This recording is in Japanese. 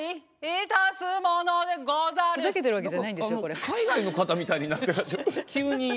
何か海外の方みたいになってらっしゃる急に。